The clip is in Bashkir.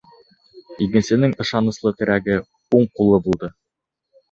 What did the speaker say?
Игенсенең ышаныслы терәге, уң ҡулы булды.